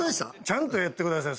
ちゃんとやってください。